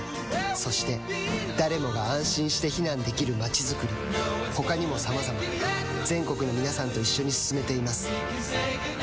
そして誰もが安心して避難できる街づくり他にもさまざま全国の皆さんと一緒に進めています